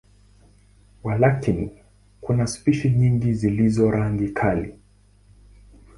Walakini, kuna spishi nyingi zilizo rangi kali.